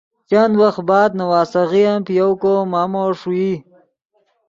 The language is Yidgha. چند وخت بعد نواسیغے ام پے یؤ کو مامو ݰوئی